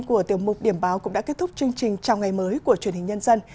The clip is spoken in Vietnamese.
của tiểu mục điểm báo cũng đã kết thúc chương trình chào ngày mới của truyền hình nhân dân